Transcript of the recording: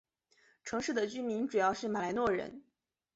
城市的居民主要是马来诺人。